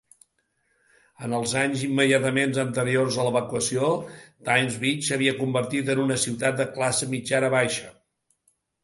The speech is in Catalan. En els anys immediatament anteriors a l'evacuació, Times Beach s'havia convertit en una ciutat de classe mitjana-baixa.